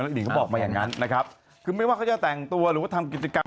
หญิงเขาบอกมาอย่างนั้นนะครับคือไม่ว่าเขาจะแต่งตัวหรือว่าทำกิจกรรม